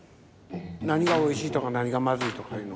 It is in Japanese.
何がおいしいとか何がまずいとかいうの。